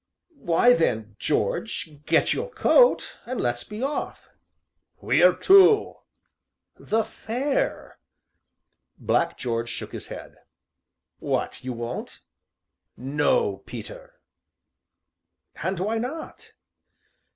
"Why then, George, get into your coat, and let's be off." "Wheer to?" "The Fair." Black George shook his head. "What, you won't?" "No, Peter." "And why not?"